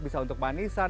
bisa untuk manisan